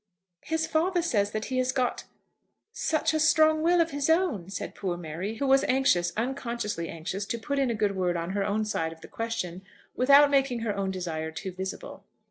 "His father says that he has got such a strong will of his own," said poor Mary, who was anxious, unconsciously anxious, to put in a good word on her own side of the question, without making her own desire too visible.